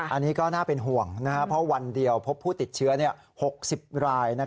อันนี้ก็น่าเป็นห่วงเพราะวันเดียวพบผู้ติดเชื้อ๖๐ราย